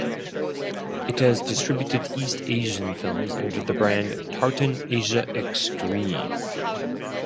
It has distributed East Asian films under the brand "Tartan Asia Extreme".